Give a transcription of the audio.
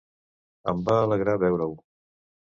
Em va alegrar veure-ho.